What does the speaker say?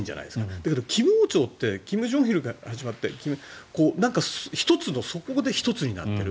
だけど金王朝って金日成から始まって１つのそこで１つになっている。